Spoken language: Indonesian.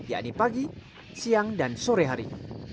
yakni pagi siang dan sore hari